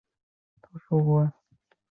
而蒙杜古马。